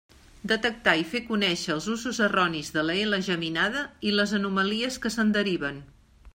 Detectar i fer conèixer els usos erronis de la ela geminada i les anomalies que se'n deriven.